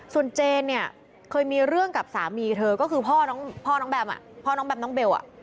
ส่วนเจนเนี่ยเคยมีเรื่องกับสามีเธอก็คือพ่อน้องแบมพ่อน้องแบมน้องเบล